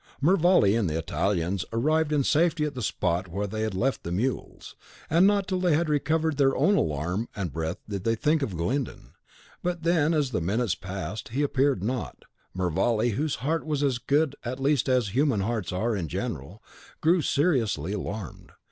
Mervale and the Italians arrived in safety at the spot where they had left the mules; and not till they had recovered their own alarm and breath did they think of Glyndon. But then, as the minutes passed, and he appeared not, Mervale, whose heart was as good at least as human hearts are in general, grew seriously alarmed.